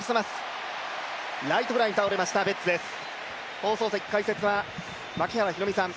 放送席解説は、槙原寛己さん。